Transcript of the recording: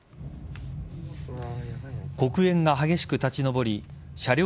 黒煙が激しく立ち上り車両